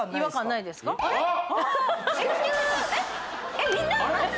えっみんな！？